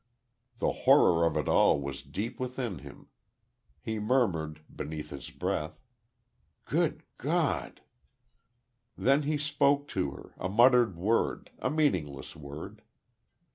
The horror of it all was deep within him. He murmured, beneath his breath: "Good God!" Then he spoke to her, a muttered word, a meaningless word.